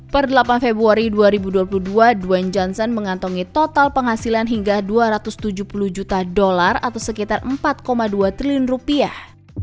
per delapan februari dua ribu dua puluh dua dwn johnson mengantongi total penghasilan hingga dua ratus tujuh puluh juta dolar atau sekitar empat dua triliun rupiah